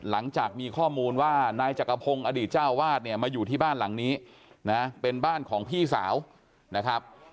หลังจากมีข้อมูลว่านายจักรพงศ์อดีตเจ้าวาดเนี่ยมาอยู่ที่บ้านหลังนี้นะเป็นบ้านของพี่สาวนะครับ